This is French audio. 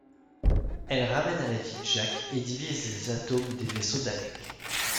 Elle ramène à la vie Jack et divise les atomes des vaisseaux Daleks.